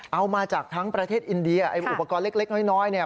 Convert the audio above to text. เอามาจากทั้งประเทศอินเดียไอ้อุปกรณ์เล็กน้อยเนี่ย